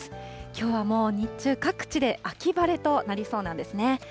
きょうはもう日中、各地で秋晴れとなりそうなんですね。